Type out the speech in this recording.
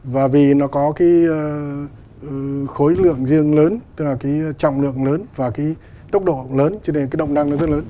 và vì nó có cái khối lượng riêng lớn tức là cái trọng lượng lớn và cái tốc độ lớn cho nên cái động năng nó rất lớn